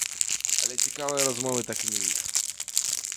Але цікавай размовы так і не выйшла.